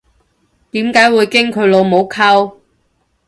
點解會經佢老母溝